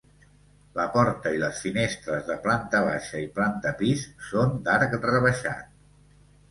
La porta i les finestres de planta baixa i planta pis són d'arc rebaixat.